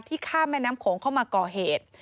ข้ามแม่น้ำโขงเข้ามาก่อเหตุ